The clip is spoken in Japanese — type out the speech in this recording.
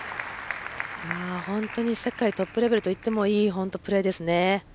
本当に世界トップレベルといってもいいプレーですね。